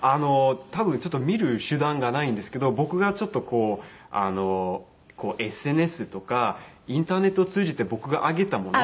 多分ちょっと見る手段がないんですけど僕がちょっとこうＳＮＳとかインターネットを通じて僕が上げたもの。